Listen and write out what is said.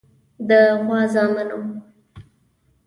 د غوا زامنو.